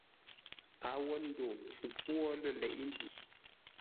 A wo ndo mpfu pwô lə̂ leʼé-mbi.